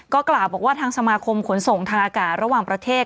ก็กล่าวบอกว่าทางสมาคมขนส่งทางอากาศระหว่างประเทศ